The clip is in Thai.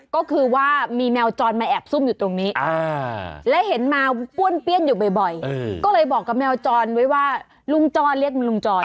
ก็คือว่ามีแมวจรมาแอบซุ่มอยู่ตรงนี้และเห็นแมวป้วนเปี้ยนอยู่บ่อยก็เลยบอกกับแมวจรไว้ว่าลุงจรเรียกลุงจร